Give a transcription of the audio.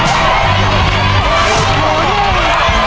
หัก๒หลาย๑